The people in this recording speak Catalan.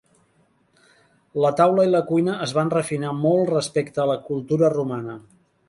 La taula i la cuina es van refinar molt respecte a la cultura romana.